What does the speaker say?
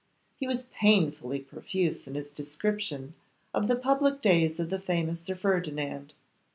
He was painfully profuse in his description of the public days of the famous Sir Ferdinand.